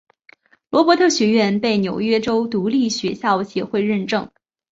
罗伯特学院被纽约州独立学校协会认证。